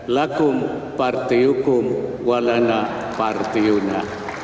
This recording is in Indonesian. lakum partai hukum walana partai una